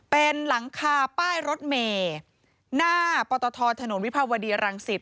เป็นหลังคาป้ายรถเมหน้าปตทถนนวิภาวดีรังสิต